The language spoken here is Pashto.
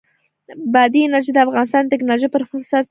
بادي انرژي د افغانستان د تکنالوژۍ پرمختګ سره تړاو لري.